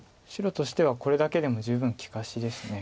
白としてはこれだけでも十分利かしです。